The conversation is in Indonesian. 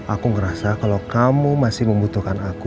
aku ngerasa kalau kamu masih membutuhkan aku